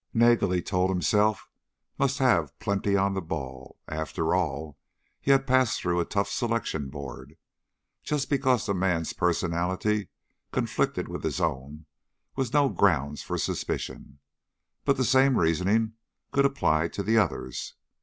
Nagel, he told himself, must have plenty on the ball. After all, he had passed through a tough selection board. Just because the man's personality conflicted with his own was no grounds for suspicion. But the same reasoning could apply to the others.